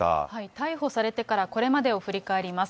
逮捕されてからこれまでを振り返ります。